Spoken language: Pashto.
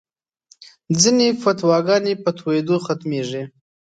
ځینې فتواګانې په تویېدو ختمېږي.